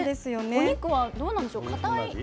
お肉はどうなんでしょう？硬い？